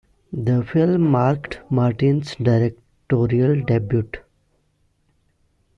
The film marked Martin's directorial debut.